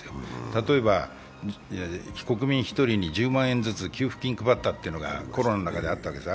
例えば、国民１人に１０万円ずつ給付金を配ったのがコロナの中であったわけです。